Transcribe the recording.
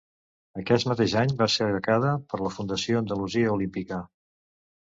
Aquest mateix any va ser becada per la Fundació Andalusia Olímpica.